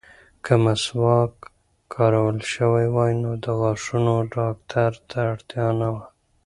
که مسواک کارول شوی وای، نو د غاښونو ډاکټر ته اړتیا نه وه.